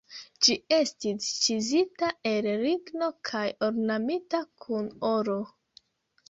Ĝi estis ĉizita el ligno kaj ornamita kun oro.